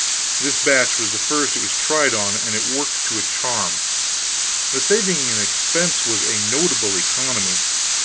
This batch was the first it was tried on, and it worked to a charm. The saving in expense was a notable economy.